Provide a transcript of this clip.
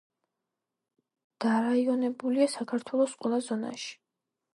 დარაიონებულია საქართველოს ყველა ზონაში.